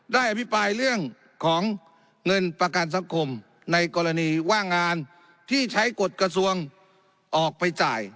อภิปรายเรื่องของเงินประกันสังคมในกรณีว่างงานที่ใช้กฎกระทรวงออกไปจ่าย